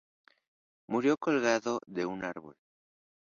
Murió colgado de un árbol.